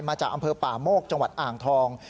มาจากอำเภอป่าโมกจังหวัดอ่างทอง